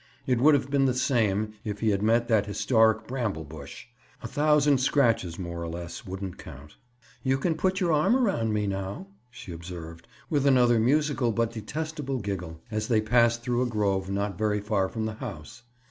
It would have been the same, if he had met that historic bramble bush. A thousand scratches, more or less, wouldn't count. "You can put your arm around me now," she observed, with another musical but detestable giggle, as they passed through a grove, not very far from the house.